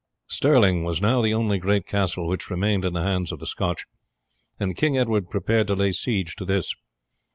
Stirling was now the only great castle which remained in the hands of the Scotch, and King Edward prepared to lay siege to this.